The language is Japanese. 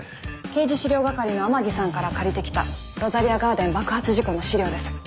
刑事資料係の天樹さんから借りてきたロザリアガーデン爆発事故の資料です。